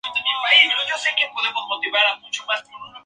Tiene el pelaje dorsal relativamente largo.